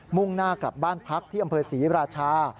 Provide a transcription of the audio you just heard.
่งหน้ากลับบ้านพักที่อำเภอศรีราชา